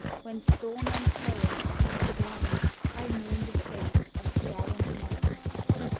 ^ When storm and torrent sweep the Glen I mourn the fate of gallant men.